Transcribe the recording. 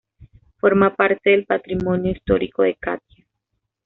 Forma parte del patrimonio histórico de Catia.